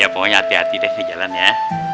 pokoknya hati hati deh ke jalan ya